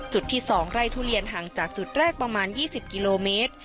จุดที่๒ไร่ทุเรียนห่างจากจุดแรกประมาณ๒๐กิโลเมตร